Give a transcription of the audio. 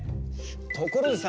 ところでさ